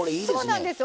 そうなんです。